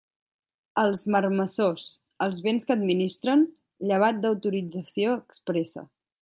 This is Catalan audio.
Els marmessors, els béns que administren, llevat d'autorització expressa.